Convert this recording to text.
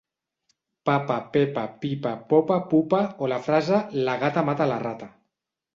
«papa-Pepa-pipa-popa-pupa» o la frase «la gata mata la rata».